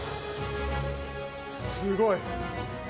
すごい。